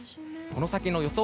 この先の予想